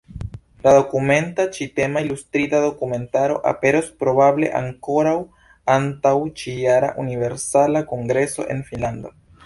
La kompleta ĉi-tema ilustrita dokumentaro aperos probable ankoraŭ antaŭ ĉi-jara Universala Kongreso en Finnlando.